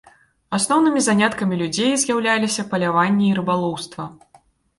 Асноўнымі заняткамі людзей з'яўляліся паляванне і рыбалоўства.